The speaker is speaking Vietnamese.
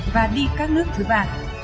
và đi các nước thứ ba